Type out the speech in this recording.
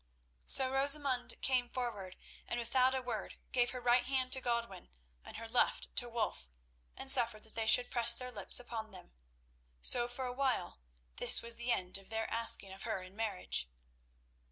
So Rosamund came forward, and without a word gave her right hand to Godwin and her left to Wulf, and suffered that they should press their lips upon them. So for a while this was the end of their asking of her in marriage.